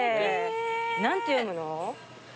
何て読むの？